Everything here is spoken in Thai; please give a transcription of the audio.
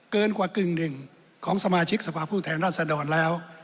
เกินกว่ากึ่งหนึ่งของสมาชิกสภาพผู้แทนรัศดรแล้ว